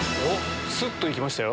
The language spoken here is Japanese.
すっといきましたよ。